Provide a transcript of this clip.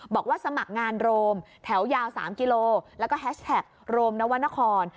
บอกว่าสมัครงานโรมแถวยาว๓กิโลแล้วก็แฮชแท็กโรมนวรรณคร